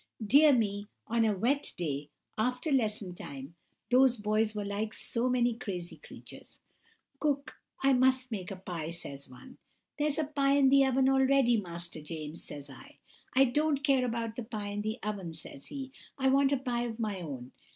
Dear me, on a wet day, after lesson time, those boys were like so many crazy creatures. 'Cook, I must make a pie,' says one. 'There's a pie in the oven already, Master James,' says I. 'I don't care about the pie in the oven,' says he, 'I want a pie of my own.